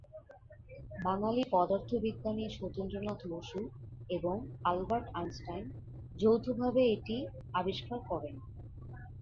বাঙালি পদার্থবিজ্ঞানী সত্যেন্দ্রনাথ বসু এবং Albert Einstein যৌথভাবে এটি আবিষ্কার করেন।